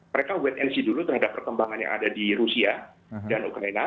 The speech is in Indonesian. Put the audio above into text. mereka wait and see dulu terhadap perkembangan yang ada di rusia dan ukraina